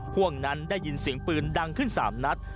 ห่วงนั้นได้ยินเสียงปืนดังขึ้น๓นัด